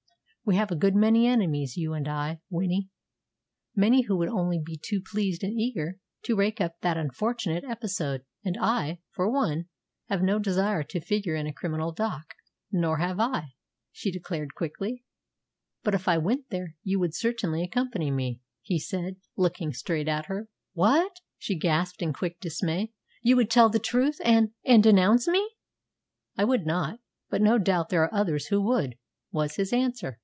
We have a good many enemies, you and I, Winnie many who would only be too pleased and eager to rake up that unfortunate episode. And I, for one, have no desire to figure in a criminal dock." "Nor have I," she declared quickly. "But if I went there you would certainly accompany me," he said, looking straight at her. "What!" she gasped in quick dismay. "You would tell the truth and and denounce me?" "I would not; but no doubt there are others who would," was his answer.